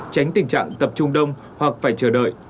tránh tình trạng tập trung đông hoặc phải chờ đợi